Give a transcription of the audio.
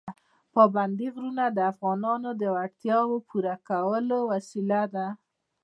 پابندي غرونه د افغانانو د اړتیاوو پوره کولو وسیله ده.